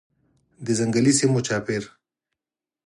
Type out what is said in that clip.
د ځنګلي سیمو چاپیر